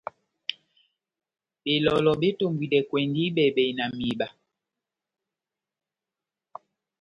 Belɔlɔ betombwidɛkwɛndi bɛhi-bɛhi na mihiba.